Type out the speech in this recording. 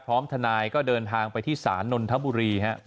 พร้อมทนายก็เดินทางไปที่ศาลนนทบุรีครับ